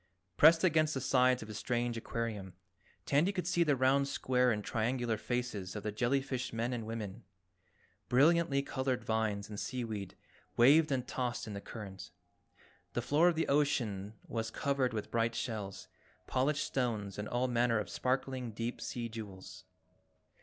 Pressed against the sides of his strange aquarium, Tandy could see the round, square and triangular faces of the jellyfish men and women. Brilliantly colored vines and seaweed waved and tossed in the current, the floor of the ocean was covered with bright shells, polished stones and all manner of sparkling deep sea jewels.